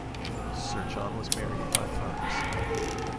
Sir John was married five times.